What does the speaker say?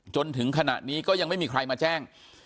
จนถึงขณะนี้ก็ยังไม่มีใครมาแจ้ง